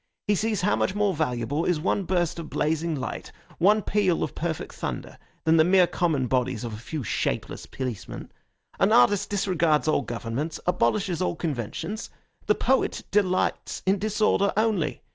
He sees how much more valuable is one burst of blazing light, one peal of perfect thunder, than the mere common bodies of a few shapeless policemen. An artist disregards all governments, abolishes all conventions. The poet delights in disorder only.